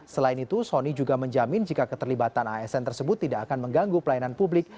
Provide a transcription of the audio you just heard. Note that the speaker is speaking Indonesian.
selain itu sony juga menjamin jika keterlibatan asn tersebut tidak akan mengganggu pelayanan publik